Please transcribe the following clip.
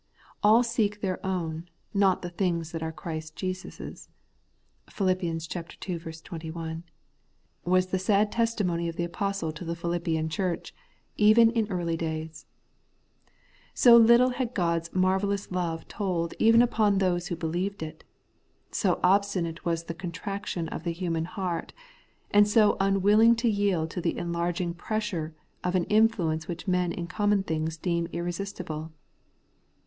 ' All seek their own, not the things that are Jesus Christ's' (Phil. ii. 21), was the sad testimony of the apostle to the Philippian church, even in early days : so little had God's marvellous love told even upon those who believed it ; so obstinate was the contraction of the human heart, and so unwilling to yield to the enlarging pressure of an influence which men in common things deem irresistible.